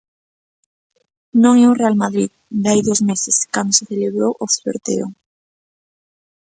Non é o Real Madrid de hai dous meses cando se celebrou o sorteo.